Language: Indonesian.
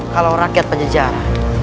kalau rakyat penyejar